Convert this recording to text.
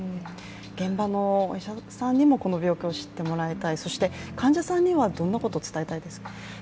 現場のお医者さんにもこの病気を知ってもらいたい、そして患者さんにはどんなことを伝えたいですか？